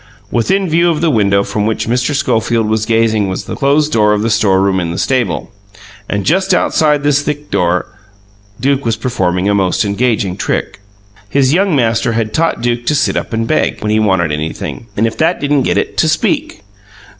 Within view of the window from which Mr. Schofield was gazing was the closed door of the storeroom in the stable, and just outside this door Duke was performing a most engaging trick. His young master had taught Duke to "sit up and beg" when he wanted anything, and if that didn't get it, to "speak."